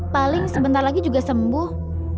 paling sebentar lagi juga sembuh